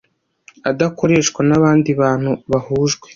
adakoreshwa n abandi bantu bahujwe